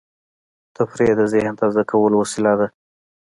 تفریح د ذهن تازه کولو وسیله ده.